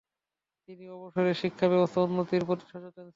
তিনি অসমের শিক্ষা ব্যবস্থা উন্নতির প্রতি সচেতন ছিলেন।